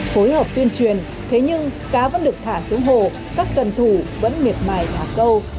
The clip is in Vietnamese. phối hợp tuyên truyền thế nhưng cá vẫn được thả xuống hồ các cần thủ vẫn miệt mài thả câu